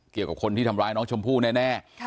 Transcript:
เกี่ยวกับคนที่ทำร้ายน้องชมพู่แน่